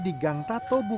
tinggal ya gitu